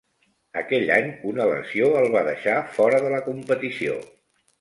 Aquell any, una lesió el va deixar fora de la competició.